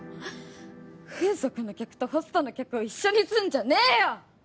風俗の客とホストの客を一緒にすんじゃねぇよ！